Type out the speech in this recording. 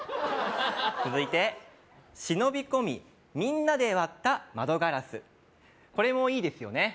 続いて「忍びこみみんなで割った窓ガラス」これもいいですよね